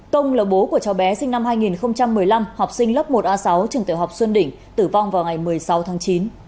công là bố của cháu bé sinh năm hai nghìn một mươi năm học sinh lớp một a sáu trường tiểu học xuân đỉnh tử vong vào ngày một mươi sáu tháng chín